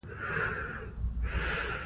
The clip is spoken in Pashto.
حیوانات له ځنګله خواړه اخلي.